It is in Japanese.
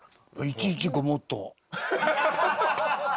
いちいちごもっとも。